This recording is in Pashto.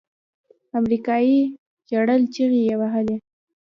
امريکايي ژړل چيغې يې وهلې.